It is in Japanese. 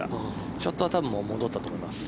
ショットはもう多分、戻ったと思います。